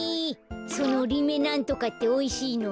そのリメなんとかっておいしいの？